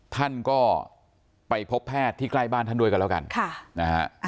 ท่านก็ไปพบแพทย์ที่ใกล้บ้านท่านด้วยกันแล้วกันนะฮะ